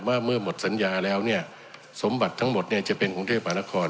เมื่อหมดสัญญาแล้วเนี่ยสมบัติทั้งหมดเนี่ยจะเป็นกรุงเทพมหานคร